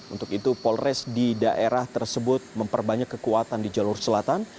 untuk itu polres di daerah tersebut memperbanyak kekuatan di jalur selatan